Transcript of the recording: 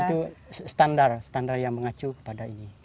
itu standar standar yang mengacu kepada ini